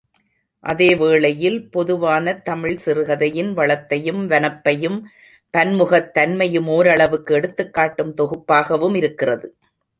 அதே வேளையில், பொதுவானத் தமிழ் சிறுகதையின் வளத்தையும், வனப்பையும் பன்முகத் தன்மையும் ஓரளவுக்கு எடுத்துக்காட்டும் தொகுப்பாகவும் இருக்கிறது.